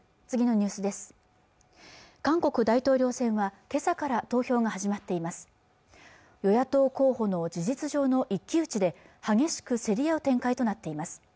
韓国大統領選はけさから投票が始まっています